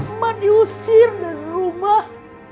emak diusir dari rumah